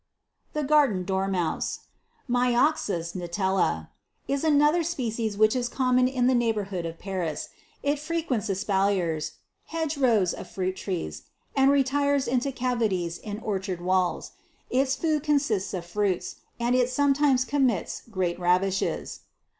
31. The Garden Dormouse, Myoxus Nitela, is another species which is common in the neighbourhood of Paris. It frequents espaliers, (hedge rows of fruit trees) and retires into cavities in orchard walls ; its food consists of fruits, and it some times commits great ravages.